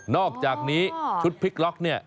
อกจากนี้ชุดพลิกล็อกเนี่ย